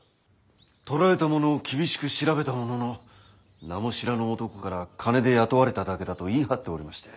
捕らえた者を厳しく調べたものの名も知らぬ男から金で雇われただけだと言い張っておりまして。